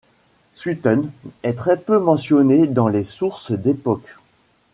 Swithun est très peu mentionné dans les sources d'époque.